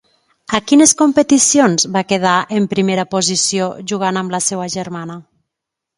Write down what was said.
A quines competicions va quedar en primera posició jugant amb la seva germana?